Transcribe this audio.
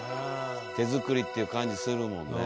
手作りっていう感じするもんね。